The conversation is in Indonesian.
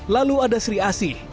lalu ada sri asi